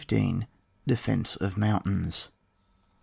DEFENCE OF MOUNTAINS.